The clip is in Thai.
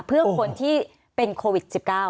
เพื่อคนที่เป็นโควิด๑๙